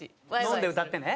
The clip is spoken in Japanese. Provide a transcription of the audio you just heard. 飲んで歌ってね。